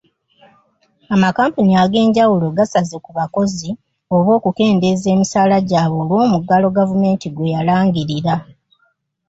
Amakampuni ag'enjawulo gasaze ku bakozi oba okukendeeza emisaala gyabwe olw'omuggalo gavumenti gwe yalangirira.